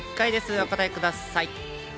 お答えください。